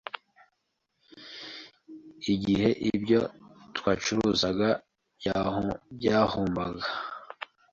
igihe ibyo twacuruzaga byahombaga,